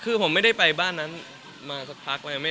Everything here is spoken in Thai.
คือผมไม่ได้ไปบ้านนั้นมาสักพักแล้ว